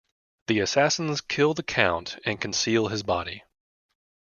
The assassins kill the Count and conceal his body.